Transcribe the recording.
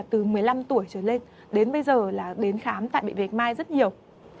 từ một mươi năm tuổi trở lên đến bây giờ là đến khám tại bệnh viện bạch mai rất nhiều